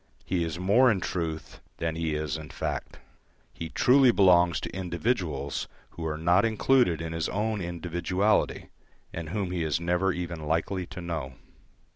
He is more in truth than he is in fact. He truly belongs to individuals who are not included in his own individuality, and whom he is never even likely to know.